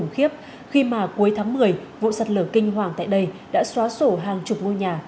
khi mà cuối tháng một mươi vụ sạt lở kinh hoàng tại đây đã xóa sổ hàng chục ngôi nhà